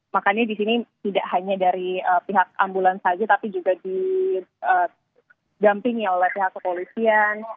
makanya di sini tidak hanya dari pihak ambulans saja tapi juga didampingi oleh pihak kepolisian